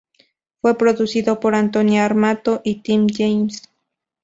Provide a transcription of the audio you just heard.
Fue producido por Antonina Armato y Tim James.